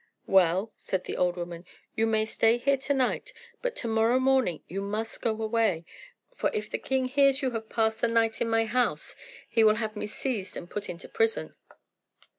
"Well," said the old woman, "you may stay here to night; but to morrow morning you must go away, for if the king hears you have passed the night in my house, he will have me seized and put into prison."